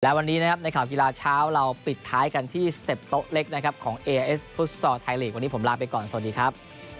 และวันนี้นะครับในข่ากีฬาเช้าเราปิดท้ายกันที่สเต็ปโต๊ะเล็กนะครับ